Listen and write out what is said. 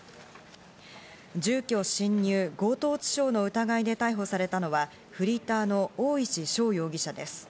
住居侵入・強盗致傷の疑いで逮捕されたのは、フリーターの大石翔容疑者です。